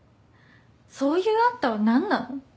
そういうあんたは何なの？